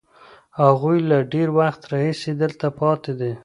هغوی له ډېر وخت راهیسې دلته پاتې دي.